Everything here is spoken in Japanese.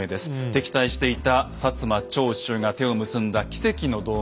敵対していた摩長州が手を結んだ奇跡の同盟。